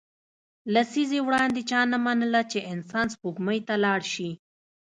لسیزې وړاندې چا نه منله چې انسان سپوږمۍ ته لاړ شي